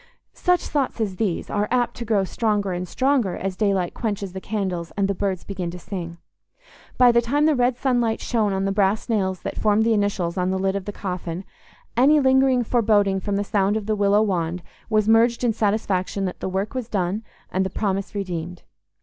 Such thoughts as these are apt to grow stronger and stronger as daylight quenches the candles and the birds begin to sing. By the time the red sunlight shone on the brass nails that formed the initials on the lid of the coffin, any lingering foreboding from the sound of the willow wand was merged in satisfaction that the work was done and the promise redeemed.